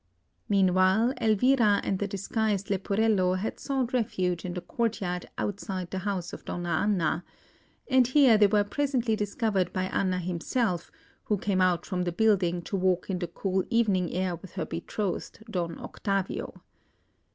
Meanwhile, Elvira and the disguised Leporello had sought refuge in the courtyard outside the house of Donna Anna; and here they were presently discovered by Anna herself, who came out from the building to walk in the cool evening air with her betrothed, Don Octavio.